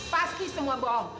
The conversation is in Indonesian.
pasti semua bohong